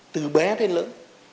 từ bé đến lớn